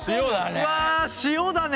うわ塩だね。